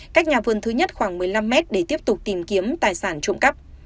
cách nhà vườn thứ nhất khoảng một mươi năm mét để tiếp tục tìm kiếm tài sản trộm cắp